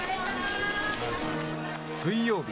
水曜日